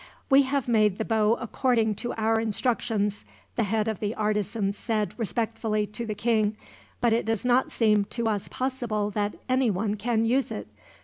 "We have made the bow according to our instructions," the head of the artisans said respectfully to the king; "but it does not seem to us possible that anyone can use it.